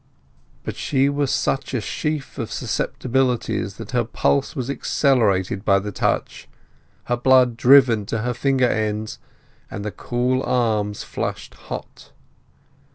But she was such a sheaf of susceptibilities that her pulse was accelerated by the touch, her blood driven to her finger ends, and the cool arms flushed hot.